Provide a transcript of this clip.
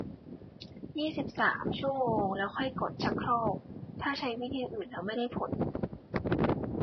ยี่สิบสาม ชั่วโมง แล้วค่อยกดชักโครก ถ้าใช้วิธีอื่นแล้วไม่ได้ผล